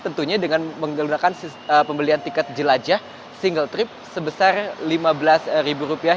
tentunya dengan menggunakan pembelian tiket jelajah single trip sebesar lima belas ribu rupiah